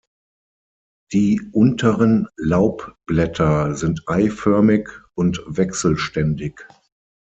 Die unteren Laubblätter sind eiförmig und wechselständig.